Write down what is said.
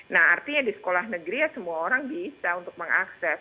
nah artinya di sekolah negeri ya semua orang bisa untuk mengakses